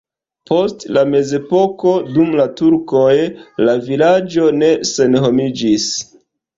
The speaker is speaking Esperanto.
Post la mezepoko dum la turkoj la vilaĝo ne senhomiĝis.